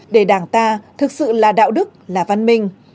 để đảng ta thực sự là đạo đức là văn minh